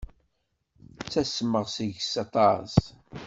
Ttasmeɣ seg-k aṭas.